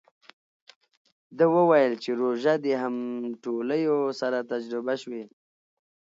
ده وویل چې روژه د همټولیو سره تجربه شوې.